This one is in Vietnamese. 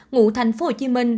ngụ thành phố hồ chí minh